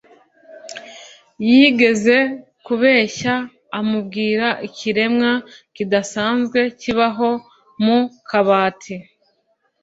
Yigeze kubeshya amubwira ikiremwa kidasanzwe kibaho mu kabati